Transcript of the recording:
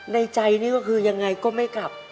ในใจนี่ก็คือยังไงก็ไม่กลับ